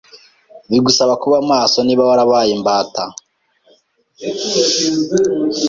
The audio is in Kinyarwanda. bigusaba kuba maso. Niba warabaye imbata